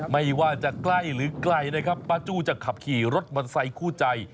ไม่ว่าจะใกล้หรือไกลนะครับป้าจู้จะขับขี่รถมอเตอร์ไซคู่ใจ